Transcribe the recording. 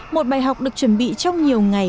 một bài học được chuẩn bị trong nhiều ngày